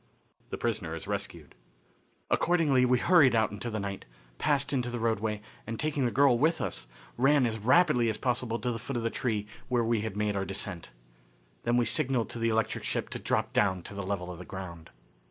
The Prisoner Is Rescued. Accordingly we hurried out into the night, passed into the roadway, and, taking the girl with us, ran as rapidly as possible to the foot of the tree where we had made our descent. Then we signalled to the electric ship to drop down to the level of the ground.